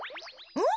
うん。